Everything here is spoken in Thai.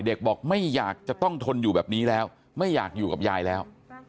บอกไม่อยากจะต้องทนอยู่แบบนี้แล้วไม่อยากอยู่กับยายแล้ว